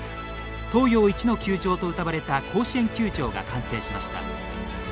東洋一の球場とうたわれた甲子園球場が完成しました。